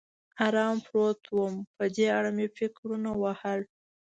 ارام پروت ووم، په دې اړه مې فکرونه وهل.